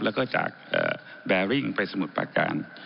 แล้วก็จากแบริ่งไปสมุทรประการ